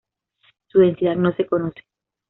Su densidad no se conoce.